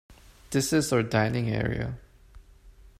This is our dining area.